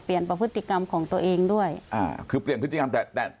ประพฤติกรรมของตัวเองด้วยอ่าคือเปลี่ยนพฤติกรรมแต่แต่